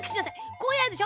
こうやるでしょ。